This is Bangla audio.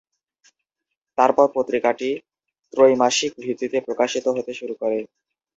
তারপর পত্রিকাটি ত্রৈমাসিক ভিত্তিতে প্রকাশিত হতে শুরু করে।